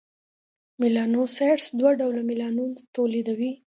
میلانوسایټس دوه ډوله میلانون تولیدوي: